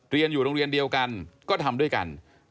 เรียนอยู่โรงเรียนเดียวกันก็ทำด้วยกัน